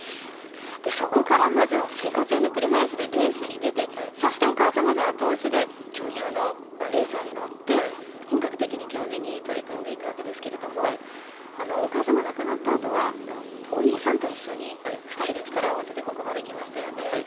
そこから生活用の車いすでレースに出てお母様の後押しで競技用のレーサーに乗って本格的に競技に取り組んでいくわけですがお母様が亡くなったあとはお兄さんと一緒に２人で力を合わせてここまできましたよね。